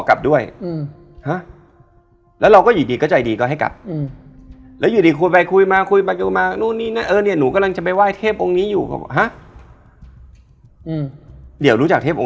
เขาก็จะอยู่ข้างหูเราก็